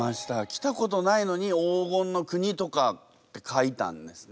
来たことないのに「黄金の国」とかって書いたんですね。